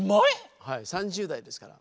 ３０代ですから。